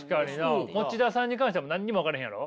モチダさんに関しては何にも分かれへんやろ？